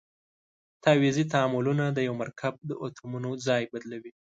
تعویضي تعاملونه د یوه مرکب د اتومونو ځای بدلوي.